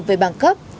về bảng cấp